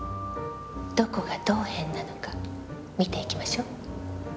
どこがどう変なのか見ていきましょう。